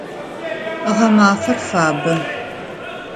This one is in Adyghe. Гъэмафэр фабэ.